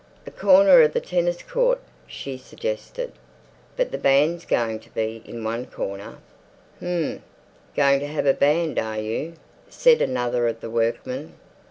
"A corner of the tennis court," she suggested. "But the band's going to be in one corner." "H'm, going to have a band, are you?" said another of the workmen.